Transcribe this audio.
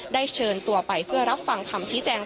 เชิญตัวไปเพื่อรับฟังคำชี้แจง